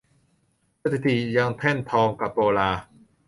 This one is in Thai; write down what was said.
สถิตย์ยังแท่นทองกะโปลา